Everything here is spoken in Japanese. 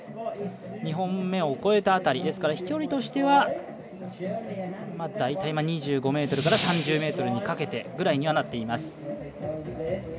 ２本目を越えた辺り飛距離としては大体２５ｍから３０ｍにかけてぐらいになっています。